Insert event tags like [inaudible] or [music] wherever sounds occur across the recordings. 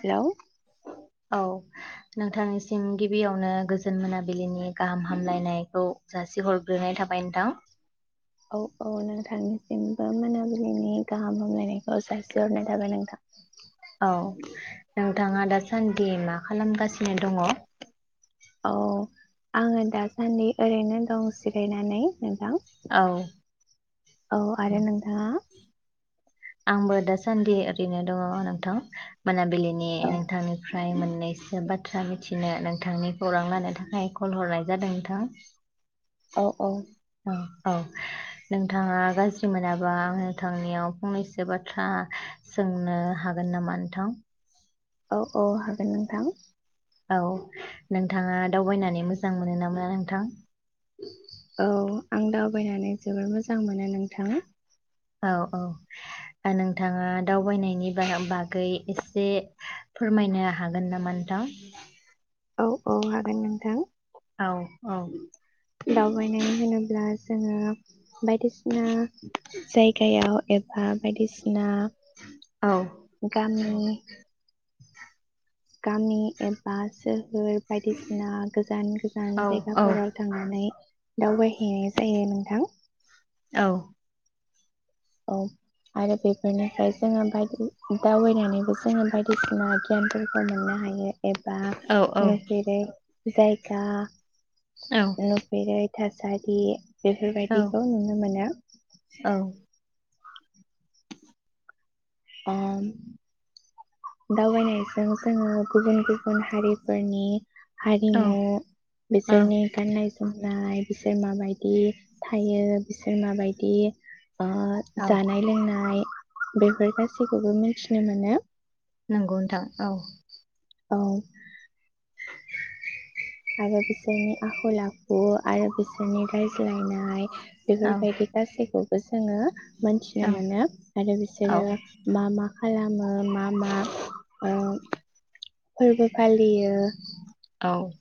Hello औ नोंथांनिसिम गिबियावनो गोजोन मोनाबिलिनि गाहाम हामलायनायखौ जासिहरग्रोनाय थाबाय नोंथां जेनेबा मोनाबिलिनि गाहाम हामलायखौ जासि हरनाय थाबाय नोंथां औ नोंथाङा दासान्दि मा खालामगासिनो दङ? औ आङो दासान्दि ओरैनो दं जिरायनानै नोंथां औ आरो नोंथाङा? आंबो दासान्दि ओरैनो दङ नोंथां मोनाबिलि औ नोंथांनिफ्राय मोन नैसो बाथ्रा मिथिनो नोंथांनि खौरां लानो थाखाय कल हरनाय जादों नोंथां औ औ औ औ नोंथाङा गाज्रि मोनाबा आं नोंथांनियाव फंनैसो एसे बाथ्रा सोंनो हागोन नामा नोंथां? औ औ हागोन नोंथां औ नोंथाङा दावबायनानै मोजां मोनो नामा नोंथां? औ आं दावबायनानै जोबोर मोजां मोनो नोंथां औ औ नोंथाङा दावबायनायनि बागै एसे फोरमायनो हागोन नामा नोंथां? औ औ हागोन नोंथां औ औ दावबायनाय होनोब्ला जोङो बायदिसिना जायगायाव एबा बायदिसिना औ गामि गामि एबा सो होर बायदिसिना गोजान-गोजान औ जायगाफोराव थांनानै दावबायहैनाय जायो न नोंथां औ औ आरो बेफोरनिफ्राय जोङो बायदि दावबायनानै बो जोङो बायदिसिना गियान फोरखौ मोननो हायो एबा औ नुफेरै जायगा नुफेरै थासारि औ बेफोरबायदिखौ नुनो मोनो ओ दावबायनायजों जोङो गुबुन-गुबुन हारिफोरनि औ हारिमु औ बिसोरनि गाननाय जोमनाय बिसोर माबायदि थायो बिसोर माबायदि अ औ जानाय लोंनाय बेफोर गासि गाससिखौबो मिथिनो मोनो नंगौ नोंथां औ औ [inaudible] आरो बिसोरनि आखल आखु आरो बिसोरनि रायज्लायनाय औ बेफोर बायायदि गाासैखौ जोङो मोनथिनो औ मोनो आरो औ बिसोरो मा-मा खालामो मा-मा ओ फोरबो फालियो। औ।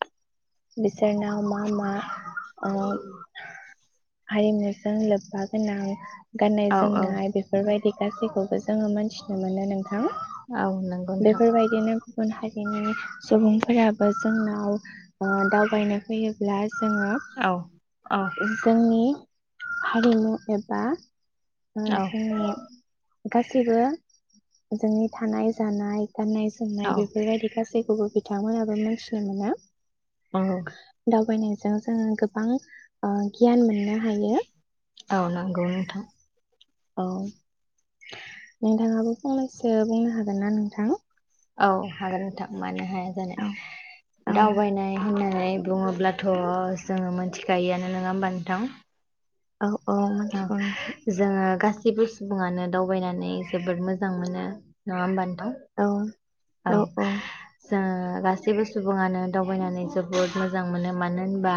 बिसोरनाव मा मा-मा ओ। आयेजोंसो लोब्बा गोनां। गाननाय औ औ जोमनाय बेफोरबायदि गासैखौबो। जोङो मोनथिनो मोनो नों थां औ नंगौ नोंथां बेफोर बायदिनो। गुबुन हारिनि। सुबुंफोराबो जोंनो। औ। ओ दावबायनो फैयोब्ला। जोङो। औ औ ए जोंनि हारिमु एबा ओ जोंनि गासैबो जोंनि थानाय-जानाय। औ गान्नाय-जोमनाय बेफोरबायदि गासै जेखौबो बिथांमोनाबो मोनथिनो मोना। दावबायनो। जों जोङो गोबां। अ गियान मोन्नो हा औ नोंगौ नोंथां। औ। नोंथाङाबो फंनैसो बुंनो हागोन ना नोंथां? औ हागोन नोंथां मानो हायाजानो औ औ दावबायनाय होननानै बुङोब्लाथ' जोङो मोनथिखायोआनो नोङा होमबा नोंथां? औ औ मिथिगौ नोंथां जोङो गासै गेबो सुबुङानो दावबायनानै जोबोद मोजां मोनो नङा होमबा नो औ औ औ। जोङो गासैबो सुबुङानो दावबायनानै जोबोद मोजां मोनो मान मानो होनबा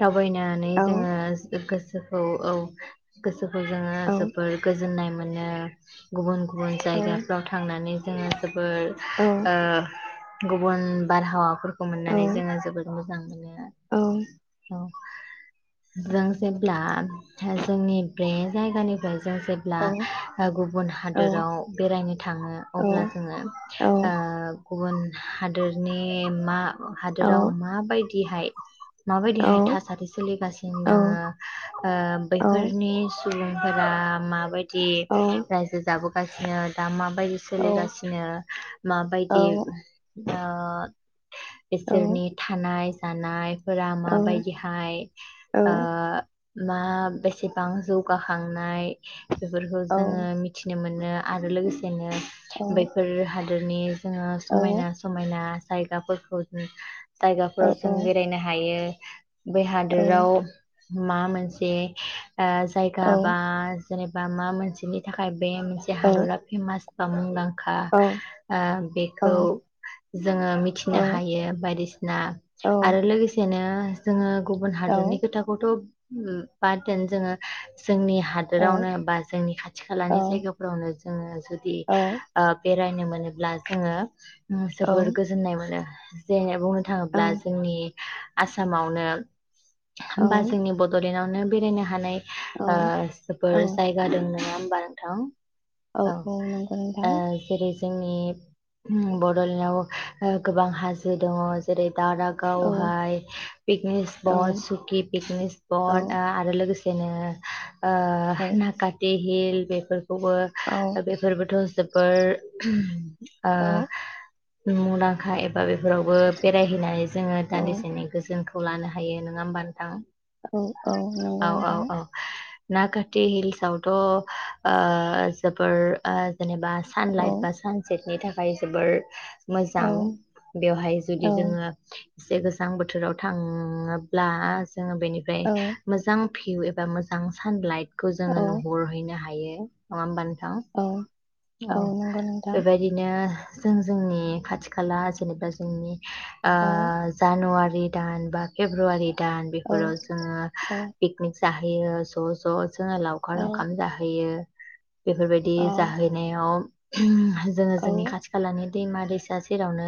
दावबायनानै औ जोङो सो गोस औ औ। गोसो जोङो औ जोबोर गोजोन्नाय मोन मोनो। गुबुन गुबुन औ जायगाफ्राव थांनानै जोङो जोबोर औ ओ गुबुन बारहावाफोरख खौ औ मोननानै जोङो जोबोद मोजां मोनो। औ जों जेब्ला जोंनि बे जायगानिफ्राय जों जेब्ला ओ गुबुन हादोराव बेरायनो थाङो अब्ला जोङो ओ गुबुन हादोरनि मा हादोराव माबायदिहाय माबायदिहाय थासारि सोलिगासिनो दोङो ओ बेफोरनि सो सुबुंफोरा माबाय दि रायजो जाबोगासिनो दा माबायदि औ औ सोलिगासिनो माबायदि औ औ ओ बिसोरनि थानाय जानाय फोरा माबायदिहाय ओ मा बेसेबां जौगाखांनाय बेफोरखौ जोङो मिथिनो मोनो आरो लोगोसेनो बैफोर हा हादरनि जोङो समायना समायना जायगाफोरखौ जों जायगाफोराव जों बेरायनो हायो हायो बे हादोराव मा मोनसे ओ जायगा बा जेनेबा मा मोनसेनि थाखाय थाखाय बे मोनसे हादरा फेमास बा मुंदां खा ओ बेखौ जोङो मिथिनो हायो बायदिसिना आरो लोगोसे सेनो जोङो गुबुन हादरनि खोथाखौथ बाथ दोन जोङो जोंनि हादोरावनो बा जोंनि खाथि खालानि जायगाफोरावनो ओ जुदि ओ बे बेरायनो मोनोब्ला जोङो जोबोर गोजोननाय मोनो [unintelligible] थाङोब्ला जोंनि आसामावनो होमबा जोंनि बदलेण्डआवनो बेरायनो हानाय ओ जोबोर जायगा दं नङा होमबा [unintelligible] नोंथां औ औ नंगौ ओ नोंथां। जेरै जोंनि बड'लेण्डआव ओ गोबां हाजो दङ जेरै दारागाव औ हाय पिकनिक औ स्पट, सुकि पिकनिक स्पट आ आरो लोगोसेनो ओ औ नाखाथि हिल बेफोर खौबो औ दा बेफोरबोथ' जोबोर ओ मुंदांखा ए बा बेफोरावबो बेरायहैनानै जोङो औ दान्दिसेनि जोंखौ लानो हायो नङा होमबा नोंथां? औ औ नंगौ नोंथां। नाकाटि हिल्सावथ' ओ जोबोर ओ जेनोबा औ सानलाइट बा सानसेट नि थाखाय जोबार औ मोजां बेवहाय जुदि औ जोङो एसे गोजां बो थोराव थाङोब्ला जोङो बेनिफ्राय औ मोजां भिउ एबा मोजां सानलाइट खौ जोङो औ नुहरहैनो हा यो नङा होमबा नों औ। औ नंगौ नोंथां बेबायदिनो [unintelligible] जों जोंनि खाथि खाला जेनोबा जोंनि ओ औ जानुवा रि दान बा फेब्रुवारि दान औ बेफोराव जोङो औ फिकनिक जाहैयो ज' ज' जोङो औ लावखार ओंखाम जाहैयो। बेफोरबायदि औ जाहै [unintelligible] जोङो औ जोंनि खाथि खालानि दैमा दैसा सेरावनो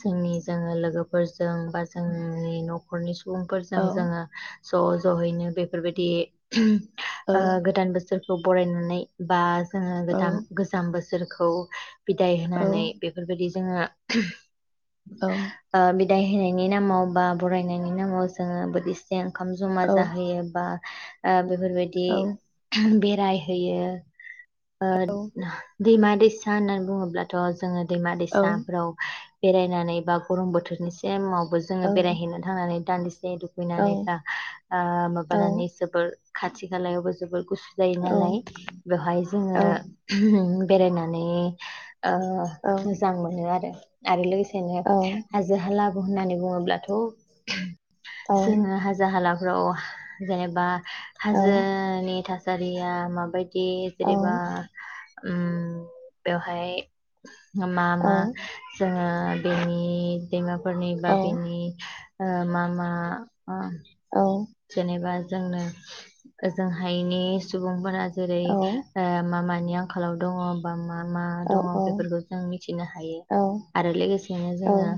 जोंनि जोङो लोगोफोरजों बा जोंनि न'खरनि सुबुंफोरजों जोङो। ज' ज'यैनो बेफोरबायदि औ गोदान बोसोर खौ बरायनानै बा जोङो औ गोदाम बोसोरखौ बिदाय होनानै औ बेफोरबायदि जोङा आ औ बि बिदाय होनायनि नामाव बा बरायनायनि नामाव जोङो बोदिसे जे ओंखाम औ जमा जाहैयोबा बेफोरबायदि औ बे राय होयो। औ आरो दैमा दैसा होननानै बुङोब्लाथ' जोङो दैमा दैसाफ्राव बेरायनानै बा गरम बोथोरनि सेमाव बो जोङो बेरायहैनो थांनानै दान्दि दुगैनानै बा ओ माबानानै जोबोर खाथि खालायावबो जोबोर गुसु जायो नालाय बेवहाय जोङो। उम बेरायनानै ओ मोजां मोनो आरो आरो लोगोसे थेलेब हाजो हाला होननानै बुङोब्लाथ' जोङो हाजो हाला राव जेनेबा हाजोनि थास सारिया माबाय दि जेरैबा उम बेवहाय मा मा जोङो बेनि दैमाफोरनि बा बेनि ओ मा मा मा जेनेबा जोंनो ओजों हायनि सुबुंफोरा जेरै ओ मा मा नि आंखालाव दङ बा मा मा दङ बेफोरखौ जों मिथिनो होयो औ आरो लोगोसेनो औ जोङो औ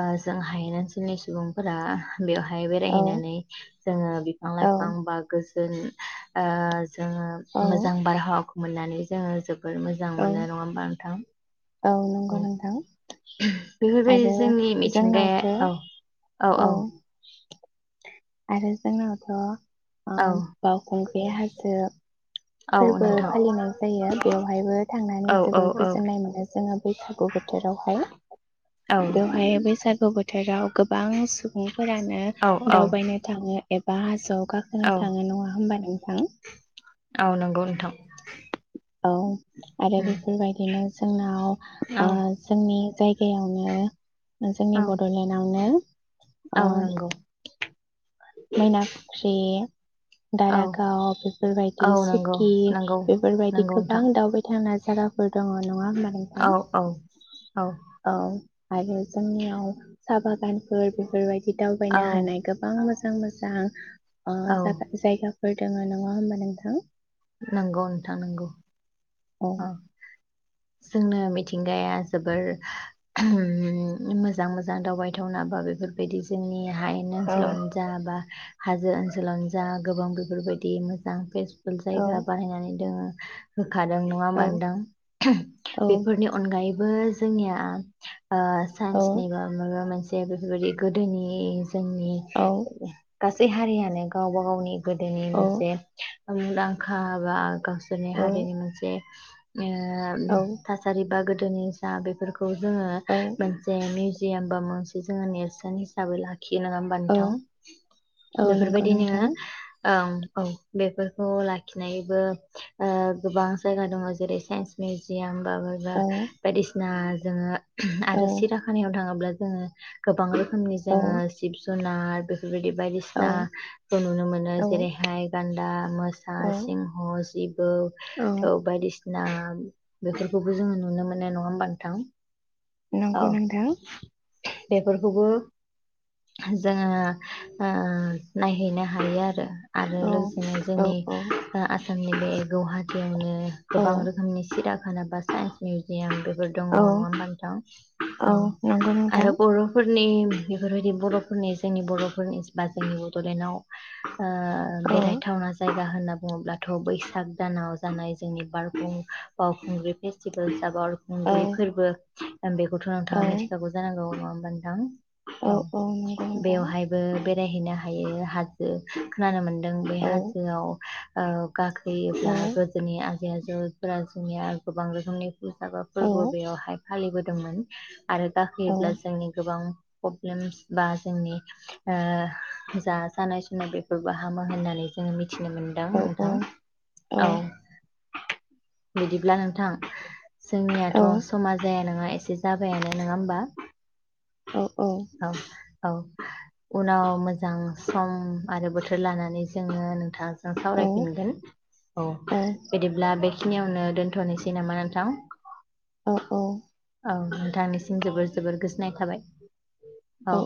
ओ जों हायेन ओनसोलनि सुबुंफोरा बेवहाय औ बेरायहैनानै जोङो बिफां औ लाइफां बा गो सो [unintelligible] ओ जोङो औ मोजां बारहाव मोननानै जोङो जोब बोर मोजां औ मोनो नङा होमबा नोंथां? नंगौ औ। नोंथां बेफोर बायदि आरो जोंनि मिथिंगाया जोंनावथो औ औ औ आरो जोंनावथ' अ औ बावखुंग्रि हाजो औ फोरबो नोंथां औ फालिनाय जायो बेवहायबो थांनानै औ औ जोबोर औ गोजोननाय मोनो जोङो बैसागु बोथोरावहाय औ बेवहाय बैसागु बो थोराव गोबां सुबुं फोरानो औ दावबायनो थाङो। एबा हाजोआव। गाखोनो औ थाङो नङा होनबा नोंथां? औ नंगौ नोंथां। औ आरो उम बेफोर बायदिनो। जोंनाव। औ ओं जोंनि। जायगायावनो। औ जोंनि बड'लेण्डआवनो। औ नंगौ मैना फख्रि। औ दारागाव बेफोर बायदि औ नंगौ सिकि नंगौ बेफोर बायदि नंगौ गोबां नोंथां दावबाय थावना [unintelligible] दङ नङा होनबा औ नोंथां? औ औ आरो जोंनियाव साहा बागानफोर बेफोर बायदि औ दावबायनो हानाय गोबां मोजां मोजां अ औ जागा जायगा फोर दोङो नङा होनबा नोंथां? नंगौ नोंथा नंगौ। औ। जोंनो मिथि गाया जोबोर ओम मोजां मोजां दावबायथावना बा बेफोर बायदि जोंनि हायेन औ ओनसोलावनो जाबा हाजो ओनसोलावनो जा गोबां बेफोर बायदि मोजां फेसबुक फुल जायगा बाहायनानै दोङो। [unintelligible] नोङा होनबा औ नोंथां औ बेफोरनि अनगायै बो जोंनिया ओ औ साइन्सनिबा माबा मोनसे जे बेफोर बायदि गोदोनि जोंनि औ गासै हारियानो गावबा गावनि गोदोनि औ जे मुंदांखा बा गाव सोरनि हारिनि औ मोनसे [unintelligible] ओम औ थासारिबा गो दिनै जा बेफोरखौ खौ जोङो मोनसे मिउ जियाम बा मोनसे जोङो नेरसोन हिसाबै ला खि नाङा होनबा औ नोंथां औ नंगौ बेफोरबायदिनो नोंथां ओम औ बेफोरखौ लाखिनायबो ओ गोबां जायगा दङ जेरै साइन्स मिउजियाम। बा बबेबा औ बायदिसिना जोङो औ आरो सिराखानायाव थाङोब्ला जोङो गोबां रोखोमनि औ जोङो जिब जुना र बे फोरबायदि औ बायदिसिनाखौ नुनो मोनो जेरैहाय गान्दा मोसा औ सिंह जिब बो औ बायदिसिना बेफोरखौबो जोङो नुनो मो नो नङा होमबा नोंथां? नंगौ औ नोंथां। बेफोरखौबो जोङो ओ नायहैनो हायो आरो आरो औ लोगोसेनो औ जोंनि औ ओ आसामनि बे गुवाहाटीयावनो औ गोबां रोखोमनि सिरियाखाना बा साइन्स मिउजियाम बेफोर दङ औ नङा होमबा नोंथां? नंगौ औ। नोंथां आरो बर'फोरनि बेफोरबायदि बर'फोरनि जोंनि बर'फोरनि बा जोंनि बड'लेण्डआव ओ औ बेरायथावना जाय होनना बुङोब्लाथ' बैसाग दानाव जानाय जोंनि बारखुं बावखुंग्रि फेस्टिभेल जा औ बावखुंग्रि फोरबो बेखौथ' औ नोंथाङा मिथिखागौ गौ नङा होनबा नोंथां? औ बेवहायबो बेरायहैनो हा हायो हा जो खोनानो मोनदों बै औ हाजोआव औ। औ गाखोयोब्ला गोदोनि आजै आजौ फोरा जोंनिया गोबां रोखोमनि मोसाग्रा औ फोरबो बेयावहाय फालिबोदोंमोन आरो औ गाखोयोब्ला जोंनि गोबां प्रब्लेमस बा जोंनि ओ जा सानाय सुनाय बेफोरबो हामो होननानै जोङो मिथिनो मोनदों औ औ नोंथां। औ। बिदिब्ला नोंथां जोंनियाथ' समा जाया नङा एसे जाबायानो नोङा होमबा? औ, औ, उनाव मोजां सम आरो बोथोर लानानै जोङो नोंथांजों सावरायफिनगोन। औ, बिदिब्ला बेखिनियावनो दोनथनोसै नामा नोंथां? औ नोंथांनि सिम जोबोर जोबोर गोजोननाय थाबाय। औ।